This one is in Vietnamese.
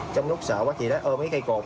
trong lúc sợ quá chị đó ôm cái cây cột